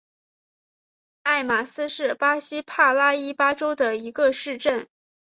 埃马斯是巴西帕拉伊巴州的一个市镇。